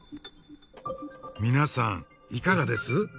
皆さんいかがです？